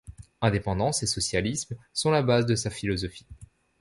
Indépendance et socialisme sont la base de sa philosophie.